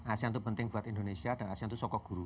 asean itu penting buat indonesia dan asean itu sokok guru